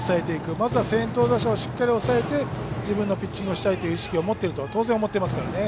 まずは先頭打者をしっかり抑えて自分のピッチングをしたいという意識を当然、思ってますからね。